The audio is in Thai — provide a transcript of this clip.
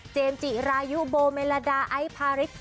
เจมส์จิรายูโบมีลาดาไอภาริช